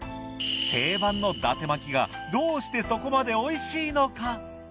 定番の伊達巻がどうしてそこまでおいしいのか？